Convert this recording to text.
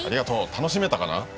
楽しめたかな？